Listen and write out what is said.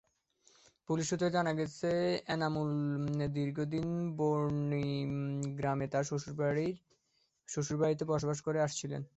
Police সূত্রে জানা গেছে, এনামুল দীর্ঘদিন বর্ণী গ্রামে তাঁর শ্বশুরবাড়িতে বসবাস করে আসছিলেন।